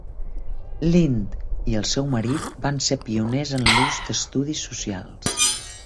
Lynd i el seu marit van ser pioners en l'ús d'estudis socials.